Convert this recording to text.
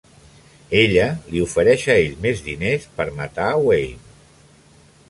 Ella li ofereix a ell més diners per matar a Wayne.